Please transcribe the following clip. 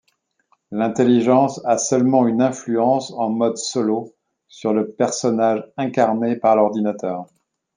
L'intelligence a seulement une influence en mode solo, sur le personnage incarné par l'ordinateur.